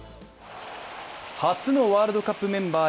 初のワールドカップメンバー